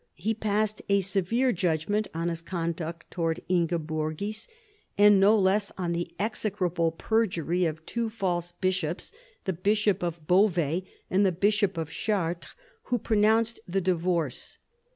He passed a severe judgment on his conduct towards Ingeborgis, and no less on the "execrable perjury of two false bishops," the bishop of Beauvais and the bishop of Chartres, who pronounced the divorce.